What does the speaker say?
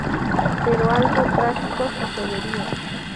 Pero algo trágico sucedería.